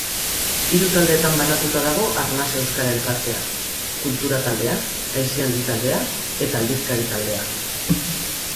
Hiru taldetan banatua dago Arnasa euskara-elkartea: kultura-taldea, aisialdi-taldea eta aldizkari-taldea.